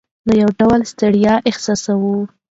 نو یو ډول ستړیا احساسوو.